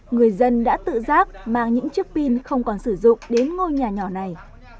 người dân đã tự giác mang những chiếc pin không còn sử dụng đến ngôi nhà nhỏ này